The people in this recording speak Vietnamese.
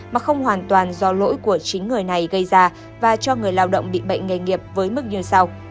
mà không hoàn toàn do lỗi của chính người này gây ra và cho người lao động bị bệnh nghề nghiệp với mức như sau